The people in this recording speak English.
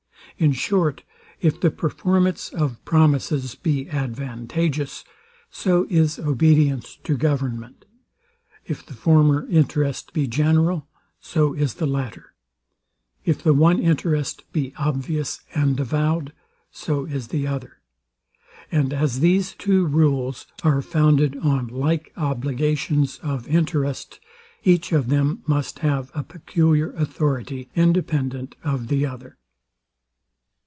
In short, if the performance of promises be advantageous, so is obedience to government: If the former interest be general, so is the latter: If the one interest be obvious and avowed, so is the other. And as these two rules are founded on like obligations of interest, each of them must have a peculiar authority, independent of the other.